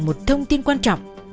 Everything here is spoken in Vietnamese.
một thông tin quan trọng